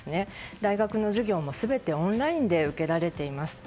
大学の授業も全てオンラインで受けられています。